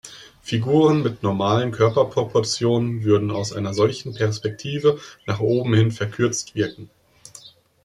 Figuren mit normalen Körperproportionen würden aus einer solchen Perspektive nach oben hin verkürzt wirken.